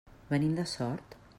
Venim de Sort.